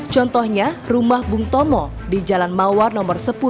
contohnya rumah bung tomo di jalan mawar nomor sepuluh